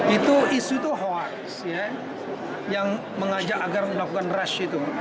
itu isu itu hoax yang mengajak agar melakukan rash itu